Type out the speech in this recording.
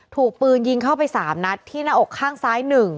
ถูกปืนยิงเข้าไป๓นัดที่หน้าอกข้างซ้าย๑